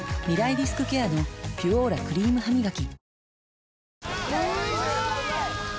リスクケアの「ピュオーラ」クリームハミガキ